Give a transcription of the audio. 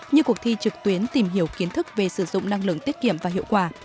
như cuộc thi trực tuyến tìm hiểu kiến thức về sử dụng năng lượng tiết kiệm và hiệu quả